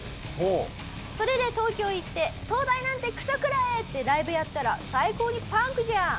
それで東京行って「東大なんてクソくらえ！」ってライブやったら最高にパンクじゃん！